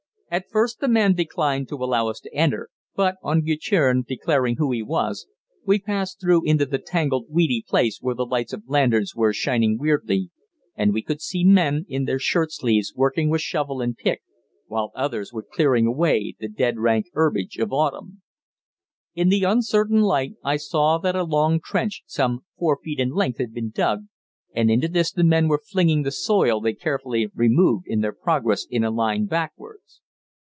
At first the man declined to allow us to enter, but, on Guertin declaring who he was, we passed through into the tangled, weedy place where the lights of lanterns were shining weirdly, and we could see men in their shirt sleeves working with shovel and pick, while others were clearing away the dead rank herbage of autumn. In the uncertain light I saw that a long trench some four feet in depth had been dug, and into this the men were flinging the soil they carefully removed in their progress in a line backwards.